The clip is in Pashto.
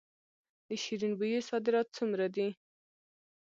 د شیرین بویې صادرات څومره دي؟